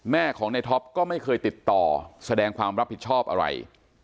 แม่ของในท็อปก็ไม่เคยติดต่อแสดงความรับผิดชอบอะไร